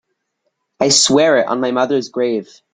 I swear it on my mother's grave.